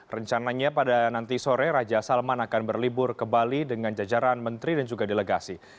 rencananya pada nanti sore raja salman akan berlibur ke bali dengan jajaran menteri dan juga delegasi